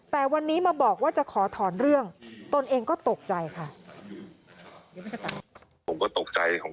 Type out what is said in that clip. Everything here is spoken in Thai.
แต่วันนี้มาบอกว่าจะขอถอนเรื่องตนเองก็ตกใจค่ะ